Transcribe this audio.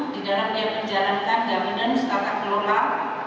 di dalam yang menjalankan governance kata global